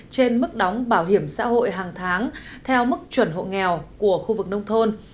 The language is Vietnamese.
trên mức đóng bảo hiểm xã hội hàng tháng theo mức chuẩn hộ nghèo của khu vực nông thôn